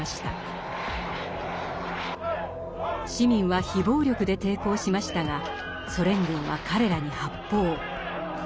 市民は非暴力で抵抗しましたがソ連軍は彼らに発砲。